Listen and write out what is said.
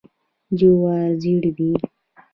جوار ژیړ دي.